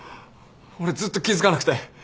俺ずっと気付かなくて。